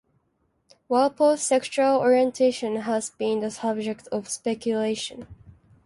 Walpole's sexual orientation has been the subject of speculation.